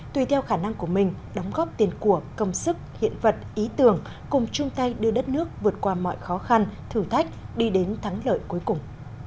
tùy theo khả năng của mình đóng góp tiền của công sức hiện vật ý tưởng cùng chung tay đưa đất nước vượt qua mọi khó khăn thử thách đi đến thắng lợi cuối cùng